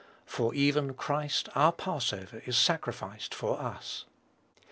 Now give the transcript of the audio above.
"For even Christ our passover is sacrificed for us."